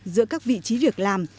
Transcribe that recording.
giữa các vị trí việc làm